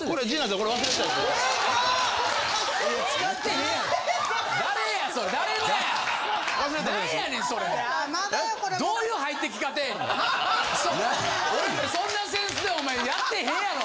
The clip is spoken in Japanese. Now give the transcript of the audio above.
俺もそんな扇子でお前やってへんやろ！